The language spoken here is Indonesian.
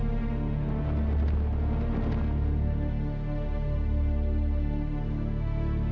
kau dapat memberikan diri sejahtera bagi bagi kaitku